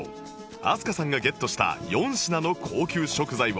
飛鳥さんがゲットした４品の高級食材を